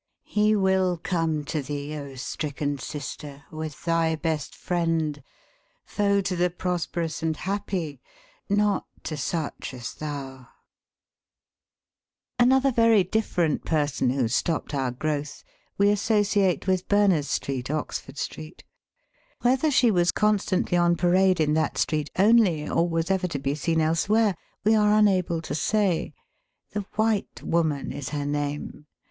He will come to thee, O stricken sister, with thy best friend — foe to the prosperous and happy — not to such as thou ! Another very different person who stopped our growth, we associate with Berners Street, Oxford Street ; whether she was constantly on parade in that street only, or was ever to Charles Dickens.] FEENCH NATIONAL DEFENCES. 363 be seen elsewhere, we are unable to say. The White Woman is her name.